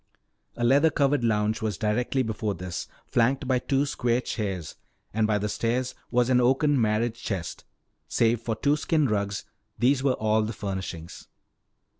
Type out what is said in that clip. A leather covered lounge was directly before this, flanked by two square chairs. And by the stairs was an oaken marriage chest. Save for two skin rugs, these were all the furnishings.